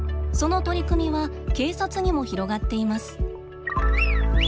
その取り組みは警察にも広がっています。